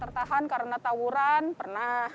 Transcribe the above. kereta tertahan karena taburan pernah